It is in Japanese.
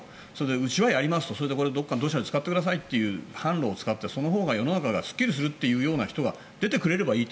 うちはやりますとそれでどこかの土砂で使ってくださいという販路を使ったほうがすっきりするという人が出てくればいいと。